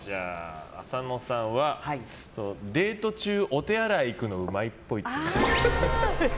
浅野さんは、デート中お手洗い行くのうまいっぽい。